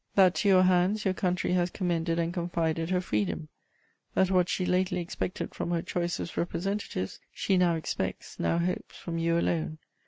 that to your hands your country has commended and confided her freedom: that what she lately expected from her choicest representatives she now expects, now hopes, from you alone.